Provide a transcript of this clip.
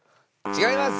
違います。